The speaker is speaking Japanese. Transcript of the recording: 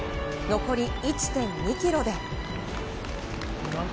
残り１．２ｋｍで。